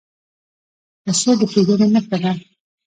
پسه د ښېګڼې نښه ده.